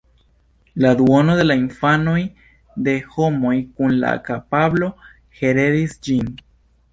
La duono de la infanoj de homoj kun la kapablo heredis ĝin.